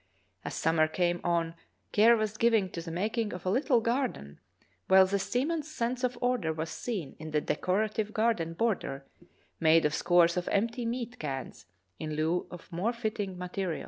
As summer came on care was given to the making of a little garden, while the seaman's sense of order was seen in the decorative garden border made of scores of empty meat cans in lieu of more fitting material.